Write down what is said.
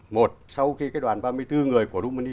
một sau khi cái đoàn ba mươi bốn người của rumani